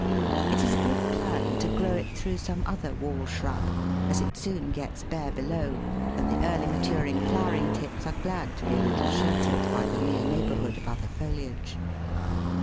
It is a good plan to grow it through some other wall shrub, as it soon gets bare below, and the early maturing flowering tips are glad to be a little sheltered by the near neighbourhood of other foliage.